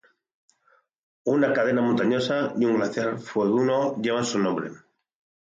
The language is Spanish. Una cadena montañosa y un glaciar fueguino llevan su nombre.